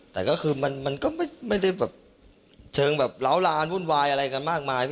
แต่ก็คือมันก็ไม่ได้แบบเชิงแบบล้าวลานวุ่นวายอะไรกันมากมาย